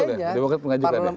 itu betul ya demokrat mengajukan ya